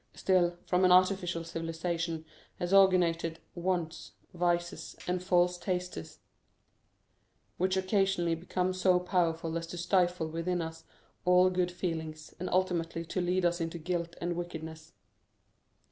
Still, from an artificial civilization have originated wants, vices, and false tastes, which occasionally become so powerful as to stifle within us all good feelings, and ultimately to lead us into guilt and wickedness.